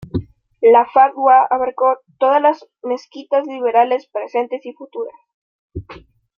La fatwa abarcó todas las mezquitas liberales presentes y futuras.